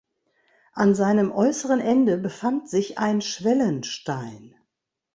An seinem äußeren Ende befand sich ein Schwellenstein.